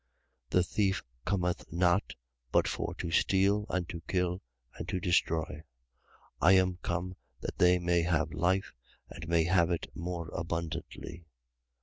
10:10. The thief cometh not, but for to steal and to kill and to destroy. I am come that they may have life and may have it more abundantly.